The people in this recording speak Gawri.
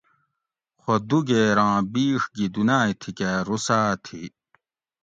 خو دوگیراں بیڛ گی دُنائ تھی کہ رُساۤت ھی